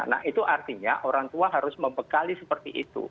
nah itu artinya orang tua harus membekali seperti itu